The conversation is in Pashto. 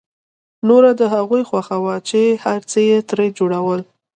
نوره د هغوی خوښه وه چې هر څه يې ترې جوړول.